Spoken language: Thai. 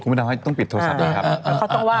คุณพุทธศาสตร์ต้องปิดโทรศัพท์เลยครับ